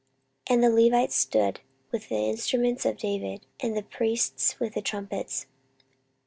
14:029:026 And the Levites stood with the instruments of David, and the priests with the trumpets.